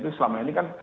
itu selama ini kan